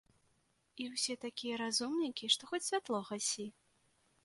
І ўсе такія разумнікі, што хоць святло гасі.